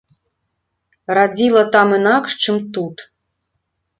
Радзіла там інакш, чым тут.